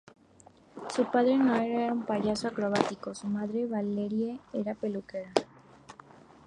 Su padre, Noel, era un payaso acrobático y su madre, Valerie, era peluquera.